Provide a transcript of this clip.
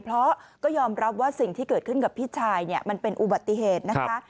เพราะก็ยอมรับว่าสิ่งที่เกิดขึ้นกับพี่ชายเนี่ยมันเป็นอุบัติเหตุนะคะ